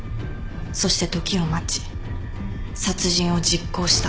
そして時を待ち殺人を実行した。